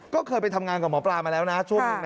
ก็เคยไปทำงานกับหมอปลามาแล้วนะช่วงหนึ่ง